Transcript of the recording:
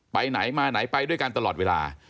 ไปไหนมาไหนไปด้วยกันตลอดเวลา